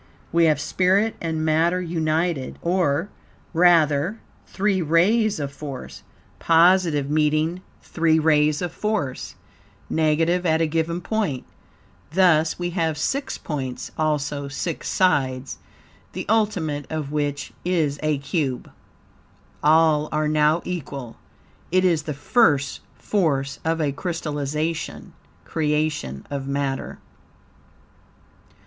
We have spirit and matter united, or, rather, three rays of force, positive, meeting three rays of force, negative, at a given point. Thus we have six points, also six sides, the ultimate of which is a cube. All are now equal. It is the first force of a crystallization (creation) of matter.